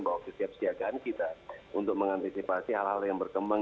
bahwa kesiapsiagaan kita untuk mengantisipasi hal hal yang berkembang